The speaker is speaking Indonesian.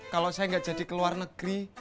kalau saya nggak jadi ke luar negeri